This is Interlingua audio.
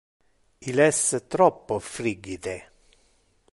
Il es troppo frigide.